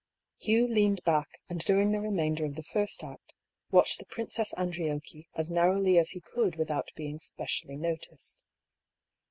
Hugh leaned back and during the remainder of the first act watched the Princess Andriocchi as naiTowly as he could without being specially noticed.